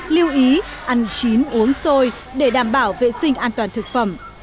lưu ý ăn chín uống sôi để đảm bảo vệ sinh an toàn thực phẩm